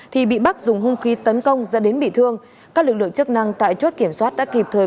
thì bị bắc dùng hung khí tấn công dẫn đến bị thương các lực lượng chức năng tại chốt kiểm soát đã kịp thời